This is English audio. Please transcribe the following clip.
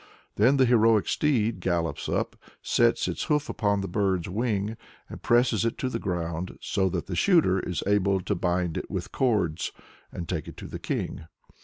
Then the "heroic steed" gallops up, sets its hoof upon the bird's wing, and presses it to the ground, so that the shooter is able to bind it with cords, and take it to the king.